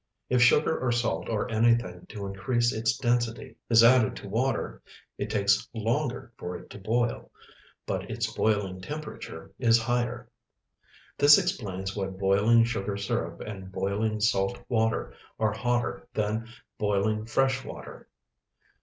If sugar or salt or anything to increase its density, is added to water, it takes longer for it to boil, but its boiling temperature is higher. This explains why boiling sugar syrup and boiling salt water are hotter than boiling fresh water.